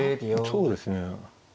そうですね。